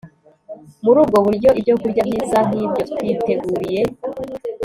Muri ubwo buryo ibyokurya byiza nkibyo twiteguriye